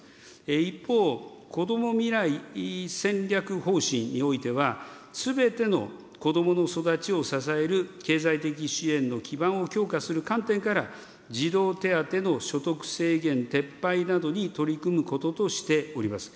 一方、こども未来戦略方針においては、すべての子どもの育ちを支える経済的支援の基盤を強化する観点から、児童手当の所得制限撤廃などに取り組むこととしております。